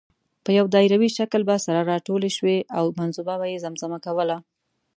په یو دایروي شکل به سره راټولې شوې او منظومه به یې زمزمه کوله.